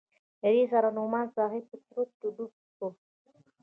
دې سره نعماني صاحب په چورت کښې ډوب سو.